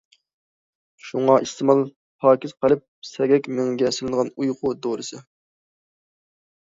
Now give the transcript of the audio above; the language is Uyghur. شۇڭا ئىستېمال- پاكىز قەلب، سەگەك مېڭىگە سېلىنغان ئۇيقۇ دورىسى.